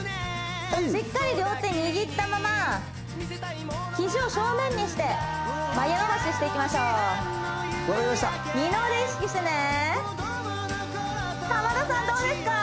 しっかり両手握ったままヒジを正面にして曲げ伸ばししていきましょうわかりました田さんどうですか？